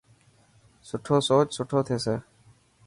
سٺو سوچ سٺو ٿيسي.